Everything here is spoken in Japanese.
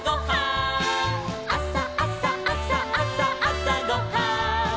「あさあさあさあさあさごはん」